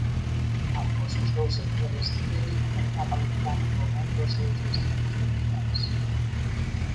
Ambos os dous sectores teñen o mercado americano como un dos seus destinos principais.